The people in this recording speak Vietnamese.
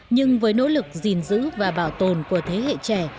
nhưng với nỗ lực gìn giữ và bảo tồn của thế hệ trẻ